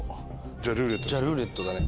じゃあ「ルーレット」だね。